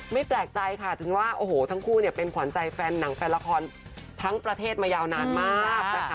แปลกใจค่ะถึงว่าโอ้โหทั้งคู่เนี่ยเป็นขวัญใจแฟนหนังแฟนละครทั้งประเทศมายาวนานมากนะคะ